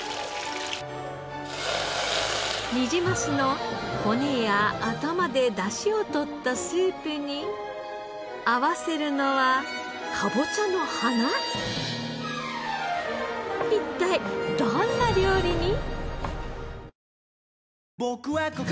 ニジマスの骨や頭で出汁を取ったスープに合わせるのは一体どんな料理に？